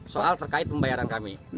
soal terkait pembayaran kami